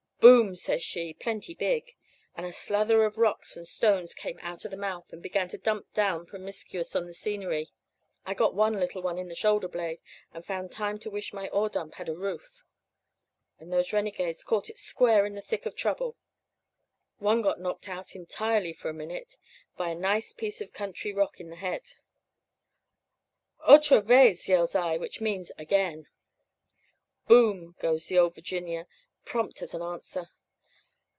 "'Boom!' says she, plenty big; and a slather of rocks and stones come out of the mouth, and began to dump down promiscuous on the scenery. I got one little one in the shoulder blade, and found time to wish my ore dump had a roof. But those renegades caught it square in the thick of trouble. One got knocked out entirely for a minute, by a nice piece of country rock in the head. "'Otra vez!' yells I, which means 'again.' "'Boom!' goes the Ole Virginia prompt as an answer.